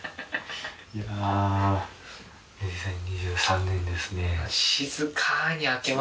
２０２３年ですね。